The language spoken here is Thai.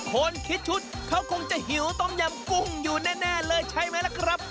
คนคิดชุดเขาคงจะหิวต้มยำกุ้งอยู่แน่เลยใช่ไหมล่ะครับ